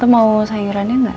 tante mau sayurannya gak